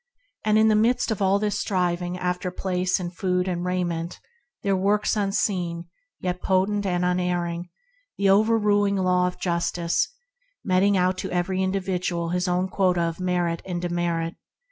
In the midst of all this striving after place and food and rainment, there works unseen, yet potent and unerring, the Overruling Law of Justice, meting out to every individual his own quota of merit and demerit.